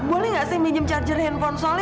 boleh gak saya minjem chargernya